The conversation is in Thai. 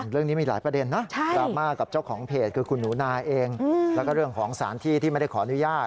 เรื่องนี้มีหลายประเด็นนะดราม่ากับเจ้าของเพจคือคุณหนูนาเองแล้วก็เรื่องของสารที่ที่ไม่ได้ขออนุญาต